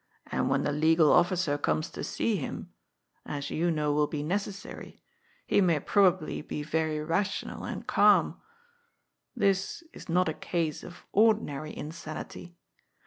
"And when the legal officer comes to see him — as you know will be necessary — he may probably be very rational and calm. This is not a case of ordinary insanity.